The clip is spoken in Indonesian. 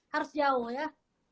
harus jauh ya